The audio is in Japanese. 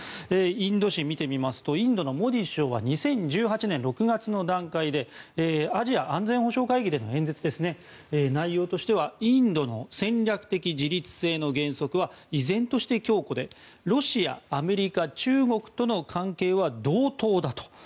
インド紙を見てみますとインドのモディ首相は２０１８年６月の段階でアジア安全保障会議での演説です内容としてはインドの戦略的自律性の原則は依然として強固でロシア、アメリカ、中国との関係は同等だと。